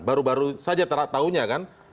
baru baru saja tahunya kan